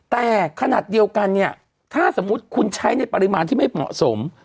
แต่ขนาดเดียวกันเนี่ยถ้าสมมุติคุณใช้ในปริมาณที่ไม่เหมาะสม